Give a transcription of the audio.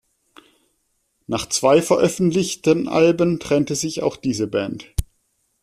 Nach zwei veröffentlichen Alben trennte sich auch diese Band.